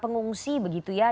pengungsi begitu ya